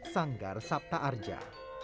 sanggar sapta arja